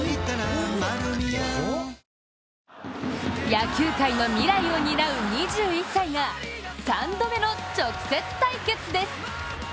野球界の未来を担う２１歳が３度目の直接対決です。